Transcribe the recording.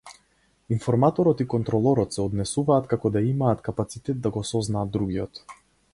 Информаторот и контролорот се однесуваат како да имаат капацитет да го сознаат другиот.